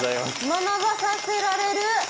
学ばさせられる。